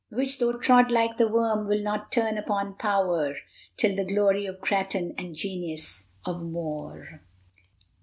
Which though trod like the worm will not turn upon power, 'Tis the glory of Grattan, and genius of Moore!